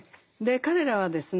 彼らはですね